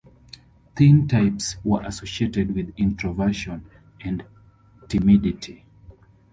Thin types were associated with introversion and timidity.